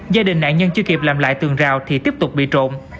gia đình nạn nhân chưa kịp làm lại tường rào thì tiếp tục bị trộn